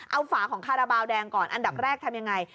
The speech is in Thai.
เอาฝาของคาราบาลแดงก่อนอันดับแรกทำยังไง